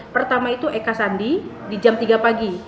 pertama itu eka sandi di jam tiga pagi